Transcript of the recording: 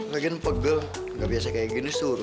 lagian pegel nggak biasa kayak gini suruh